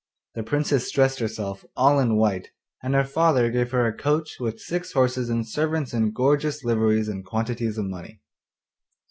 The Princess dressed herself all in white, and her father gave her a coach with six horses and servants in gorgeous liveries and quantities of money.